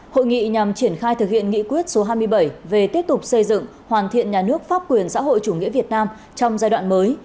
hội nghị nhằm triển khai thực hiện nghị quyết số hai mươi bảy về tiếp tục xây dựng hoàn thiện nhà nước pháp quyền xã hội chủ nghĩa việt nam trong giai đoạn mới